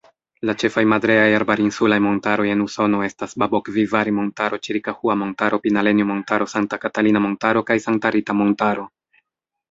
La ĉefaj madreaj-arbarinsulaj montaroj en Usono estas Babokvivari-Montaro, Ĉirikahua-Montaro, Pinalenjo-Montaro, Santa-Katalina-Montaro, kaj Santa-Rita-Montaro.